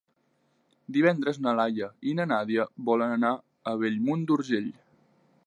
Divendres na Laia i na Nàdia volen anar a Bellmunt d'Urgell.